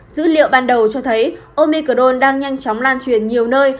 dữ liệu ban đầu cho thấy omicron đang nhanh chóng lan truyền nhiều nơi